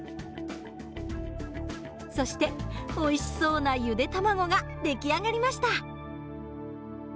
そしておいしそうなゆで卵が出来上がりました。